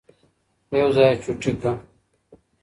يو ځاى يې چوټي كه